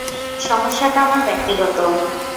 সমস্যাটা আমার ব্যক্তিগত!